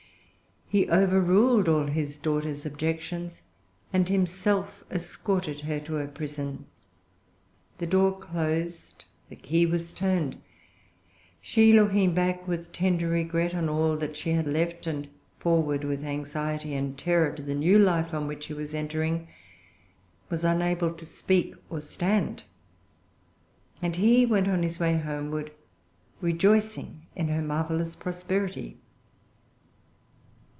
He overruled all his daughter's objections, and himself escorted her to her prison. The door closed. The key was turned. She, looking back with tender regret on all that she had left, and forward with anxiety and terror to the new life on which she was entering, was unable to speak or stand; and he went on his way homeward rejoicing in her marvellous prosperity.